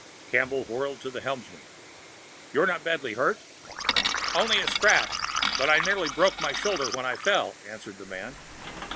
Campbell whirled to the helmsman. "You're not badly hurt?" "Only a scratch, but I nearly broke my shoulder when I fell," answered the man.